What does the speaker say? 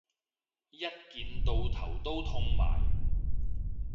一見到頭都痛埋